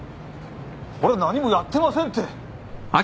俺何もやってませんて！